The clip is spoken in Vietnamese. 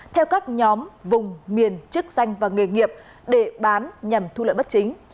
theo các nhóm vùng miền chức danh và nghề nghiệp để bán nhằm thu lợi bất chính